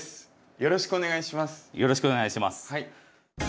よろしくお願いします。